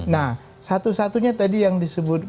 nah satu satunya tadi yang disebut